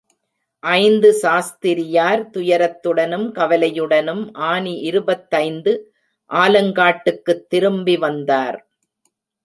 ஐந்து சாஸ்திரியார் துயரத்துடனும், கவலையுடனும் ஆனி இருபத்தைந்து ஆலங்காட்டுக்குத் திரும்பி வந்தார்.